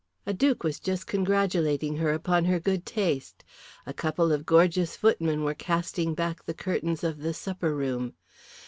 A duke was just congratulating her upon her good taste. A couple of gorgeous footmen were casting back the curtains of the supper room.